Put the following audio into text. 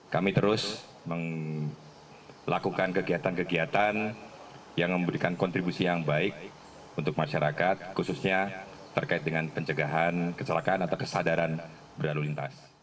kami terus melakukan kegiatan kegiatan yang memberikan kontribusi yang baik untuk masyarakat khususnya terkait dengan pencegahan kecelakaan atau kesadaran berlalu lintas